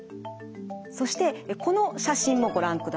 そしてこの写真もご覧ください。